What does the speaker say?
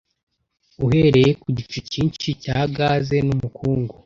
uhereye ku gicu cyinshi cya gaze n’umukungu